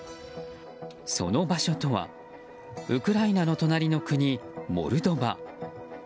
その場所とはウクライナの隣の国、モルドバ。